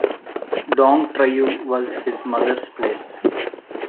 Dong Trieu was his mother's place.